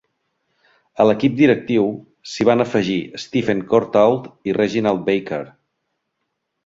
A l'equip directiu, s'hi van afegir Stephen Courtauld i Reginald Baker.